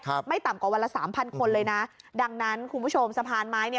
ไม่ต่ำกว่าวันละสามพันคนเลยนะดังนั้นคุณผู้ชมสะพานไม้เนี่ย